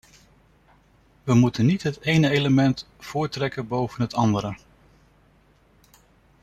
We moeten niet het ene element voortrekken boven het andere.